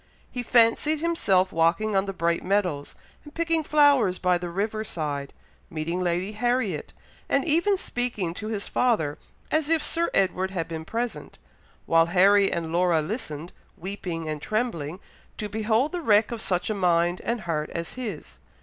He fancied himself walking on the bright meadows, and picking flowers by the river side, meeting Lady Harriet, and even speaking to his father, as if Sir Edward had been present; while Harry and Laura listened, weeping and trembling, to behold the wreck of such a mind and heart as his.